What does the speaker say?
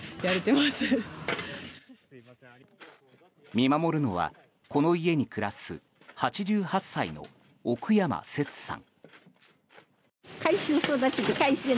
見守るのは、この家に暮らす８８歳の奥山セツさん。